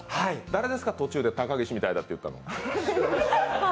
誰ですか、途中で、たかぎしみたいだって言ったの。